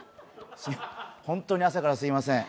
本当に朝からすみません。